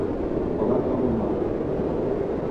Pelat com un mac.